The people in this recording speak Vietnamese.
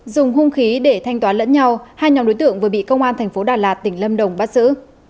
dùng hung khí để thanh toán lẫn nhau hai nhóm đối tượng vừa bị công an thành phố đà lạt tỉnh lâm đồng bắt giữ